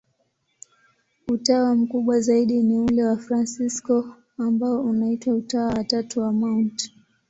Utawa mkubwa zaidi ni ule wa Wafransisko, ambao unaitwa Utawa wa Tatu wa Mt.